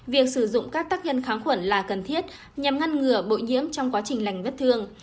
việc sử dụng các tác nhân kháng khuẩn là cần thiết nhằm ngăn ngừa bội nhiễm trong quá trình lành vết thương